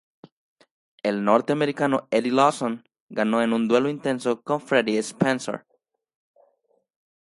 El norteamericano Eddie Lawson ganó en un duelo intenso con Freddie Spencer.